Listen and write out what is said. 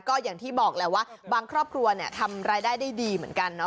ก็อย่างที่บอกแหละว่าบางครอบครัวเนี่ยทำรายได้ได้ดีเหมือนกันเนาะ